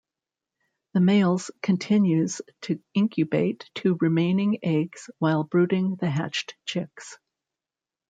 The males continues to incubate to remaining eggs while brooding the hatched chicks.